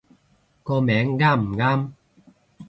個名啱唔啱